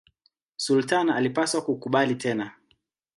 Sultani alipaswa kukubali tena.